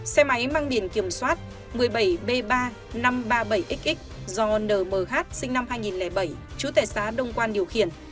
xe máy mang điển kiểm soát một mươi bảy b ba nghìn năm trăm ba mươi bảy xx do nmh sinh năm hai nghìn bảy chú tẻ xá đông quan điều khiển